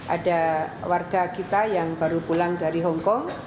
ada warga kita yang baru pulang dari hongkong